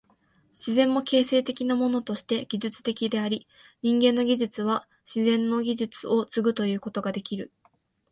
自然も形成的なものとして技術的であり、人間の技術は自然の技術を継ぐということができる。